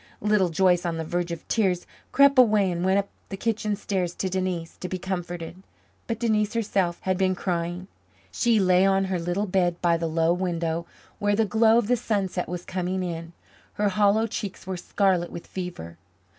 Little Joyce, on the verge of tears, crept away and went up the kitchen stairs to Denise to be comforted. But Denise herself had been crying. She lay on her little bed by the low window, where the glow of the sunset was coming in; her hollow cheeks were scarlet with fever.